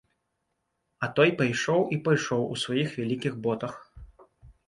А той пайшоў і пайшоў у сваіх вялікіх ботах.